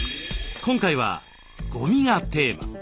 今回は「ゴミ」がテーマ。